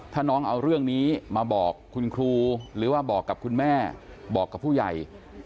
ถ้าน้องเอาเรื่องนี้มาบอกคุณครูหรือว่าบอกกับคุณแม่บอกกับผู้ใหญ่